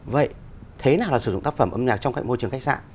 vậy thế nào là sử dụng tác phẩm âm nhạc trong cạnh môi trường khách sạn